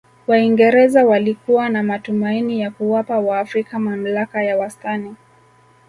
waingereza walikuwa na matumaini ya kuwapa waafrika mamlaka ya wastani